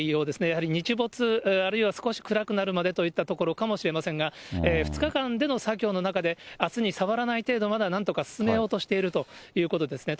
やはり日没、あるいは少し暗くなるまでといったところかもしれませんが、２日間での作業の中で、あすにさわらない程度までは、なんとか進めようとしているということですね。